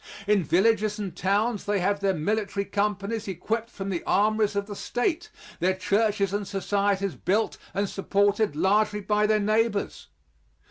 In villages and towns they have their military companies equipped from the armories of the State, their churches and societies built and supported largely by their neighbors.